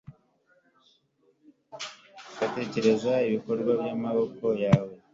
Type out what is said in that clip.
ngatekereza ibikorwa by'amaboko yawe